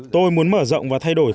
tôi muốn mở rộng và thay đổi khả năng